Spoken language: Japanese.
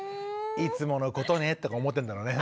「いつものことね」とか思ってんだろうね。